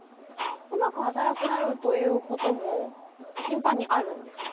うまく働かなくなるということも頻繁にあるんですか？